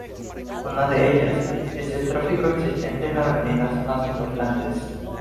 Una de ellas, es el tráfico existente en las avenidas más importantes.